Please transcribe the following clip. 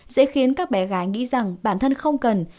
sẽ khiến các bé gái nghĩ rằng bản thân không cần